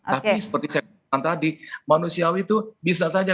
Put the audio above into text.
tapi seperti saya katakan tadi manusiawi itu bisa saja